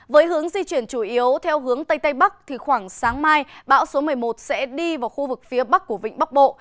với hướng di chuyển chủ yếu theo hướng tây tây bắc khoảng sáng mai bão số một mươi một sẽ đi vào khu vực phía bắc của vịnh bắc bộ